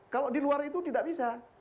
kalau di luar itu tidak bisa